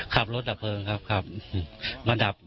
ขับรถหลับเพลิงครับมาหลับ